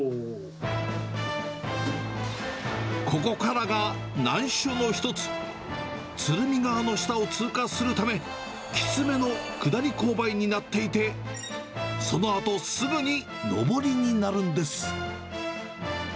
ここからが難所の一つ、鶴見川の下を通過するため、きつめの下り勾配になっていて、そのあとすぐに上りになるんです。